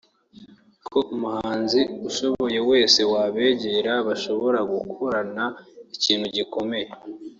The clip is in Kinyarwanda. ko umuhanzi ubishoboye wese wabegera bashobora gukorana ikintu gikomeye